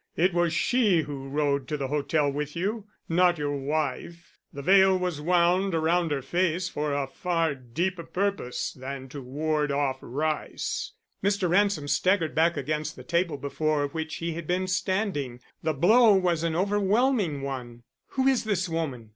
It was she who rode to the hotel with you; not your wife. The veil was wound around her face for a far deeper purpose than to ward off rice." Mr. Ransom staggered back against the table before which he had been standing. The blow was an overwhelming one. "Who is this woman?"